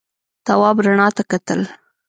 تواب رڼا ته کتل.